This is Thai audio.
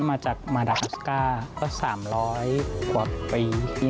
มาจากมาดามสก้า๓๐๐ตัวปี